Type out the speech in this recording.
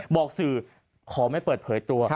บอกสื่อขอไม่เปิดเผยตัว